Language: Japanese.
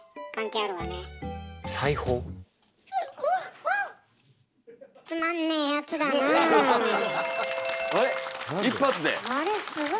あれっすごい。